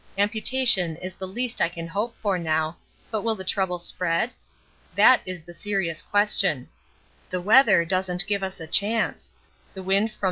Amputation is the least I can hope for now, but will the trouble spread? That is the serious question. The weather doesn't give us a chance the wind from N.